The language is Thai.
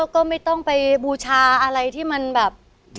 ก็ไม่ต้องไปบูชาอะไรที่มันแบบ